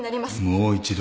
もう一度。